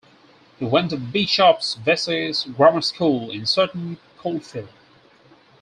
He went to Bishop Vesey's Grammar School in Sutton Coldfield.